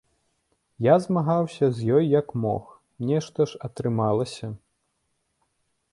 Я змагаўся з ёй як мог, нешта ж атрымалася.